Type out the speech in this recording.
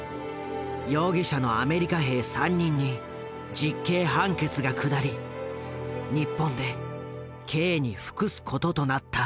容疑者のアメリカ兵３人に実刑判決が下り日本で刑に服すこととなった。